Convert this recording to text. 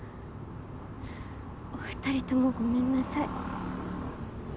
おふたりともごめんなさい。